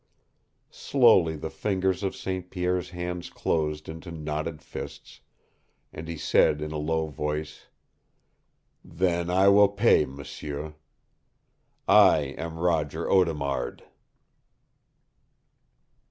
Slowly the fingers of St. Pierre's hands closed into knotted fists, and he said in a low voice, "Then I will pay, m'sieu. I AM ROGER AUDEMARD!"